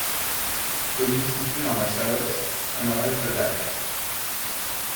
Commune située dans la Chalosse, au nord-est de Dax.